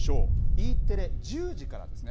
Ｅテレ、１０時からですね。